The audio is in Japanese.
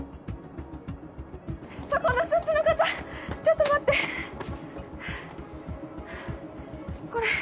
そこのスーツの方ちょっと待はぁはぁこれ。